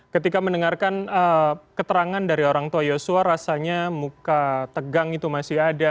ketika mendengarkan keterangan dari orang tua yosua rasanya muka tegang itu masih ada